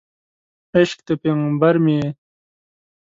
عشق د پیغمبر مې یې